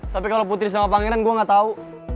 tapi kalau putri sama pangeran gue gak tau